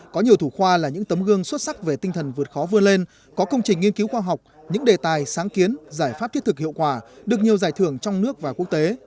có nhiều thủ khoa là những tấm gương xuất sắc về tinh thần vượt khó vươn lên có công trình nghiên cứu khoa học những đề tài sáng kiến giải pháp thiết thực hiệu quả được nhiều giải thưởng trong nước và quốc tế